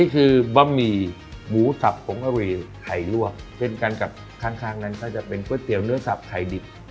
คือบะหมี่หมูสับผงกะหรี่ไข่ลวกเช่นกันกับข้างนั้นก็จะเป็นก๋วยเตี๋ยวเนื้อสับไข่ดิบ